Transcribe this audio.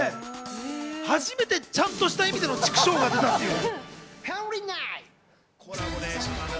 初めてちゃんとした意味での、チクショーが出たっていう。